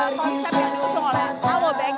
konsep yang diusung oleh alo bank